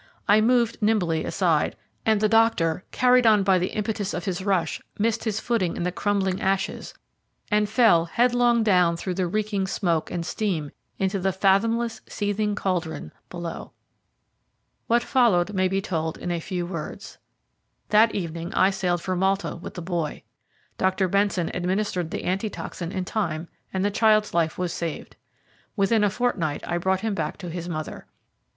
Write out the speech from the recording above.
I moved nimbly aside, and the doctor, carried on by the impetus of his rush, missed his footing in the crumbling ashes and fell headlong down through the reeking smoke and steam into the fathomless, seething caldron below. Fietta fell into the crater. "The Doctor ... missed his footing." What followed may be told in a few words. That evening I sailed for Malta with the boy. Dr. Benson administered the antitoxin in time, and the child's life was saved. Within a fortnight I brought him back to his mother.